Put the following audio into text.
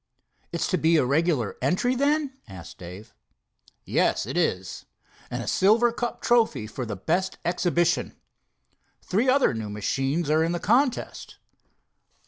"It's to be a regular entry, then?" asked Dave. "Yes, it is, and a silver cup trophy for the best exhibition. Three other new machines are in the contest."